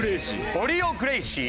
エリオ・グレイシー！